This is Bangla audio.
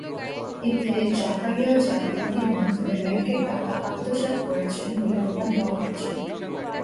এতে জাকারিয়া জালিয়াতির মাধ্যমে ব্যাংকের টাকা আত্মসাৎ করেছেন বলে প্রমাণ পাওয়া গেছে।